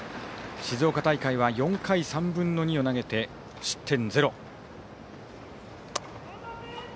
静岡大会は４回３分の２を投げて失点０。